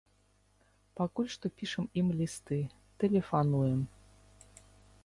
Пакуль што пішам ім лісты, тэлефануем.